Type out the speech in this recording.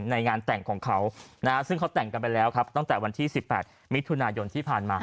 ในงานแต่งของเขาซึ่งเขาแต่งกันไปแล้วครับตั้งแต่วันที่๑๘มิถุนายนที่ผ่านมา